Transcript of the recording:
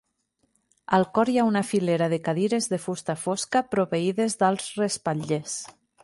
El cor hi ha una filera de cadires de fusta fosca, proveïdes d'alts respatllers.